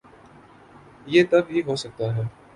یہ تب ہی ہو سکتا ہے۔